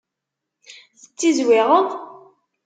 Tettizwiɣeḍ?